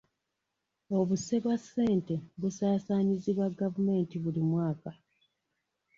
Obuse bwa ssente busaasaanyizibwa gavumenti buli mwaka.